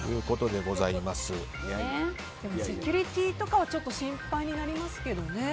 でもセキュリティーとかはちょっと心配になりますけどね。